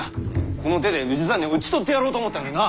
この手で氏真を討ち取ってやろうと思ったのにな！